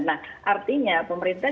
nah artinya pemerintah